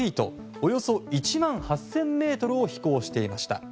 およそ１万８０００ｍを飛行していました。